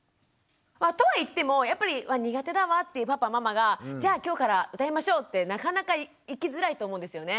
とはいってもやっぱり苦手だわっていうパパママがじゃあ今日から歌いましょうってなかなかいきづらいと思うんですよね。